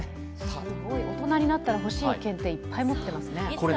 大人になったら欲しい検定、いっぱいありますね。